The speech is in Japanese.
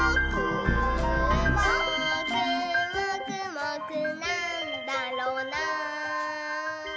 「もーくもくもくなんだろなぁ」